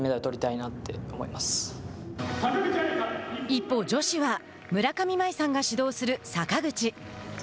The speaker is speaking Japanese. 一方、女子は村上茉愛さんが指導する坂口。